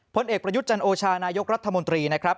ผลเอกประยุทธ์จันโอชานายกรัฐมนตรีนะครับ